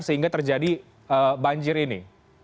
sehingga terjadi banjir ini